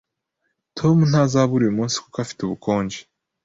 Tom ntazabura uyu munsi kuko afite ubukonje